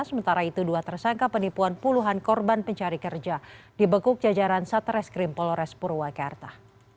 sementara itu dua tersangka penipuan puluhan korban pencari kerja dibekuk jajaran satreskrim polores purwakarta